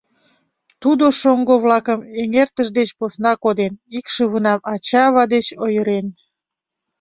Тудо шоҥго-влакым эҥертыш деч посна коден, икшывынам ача-ава деч ойырен.